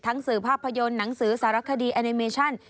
สื่อภาพยนตร์หนังสือสารคดีแอนิเมชั่น